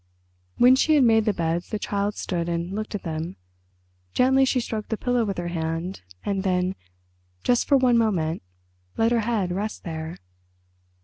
When she had made the beds the Child stood and looked at them. Gently she stroked the pillow with her hand, and then, just for one moment, let her head rest there.